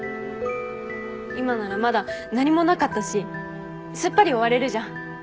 今ならまだ何もなかったしすっぱり終われるじゃん。